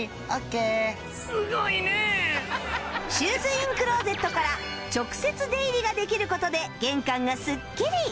シューズインクローゼットから直接出入りができる事で玄関がスッキリ！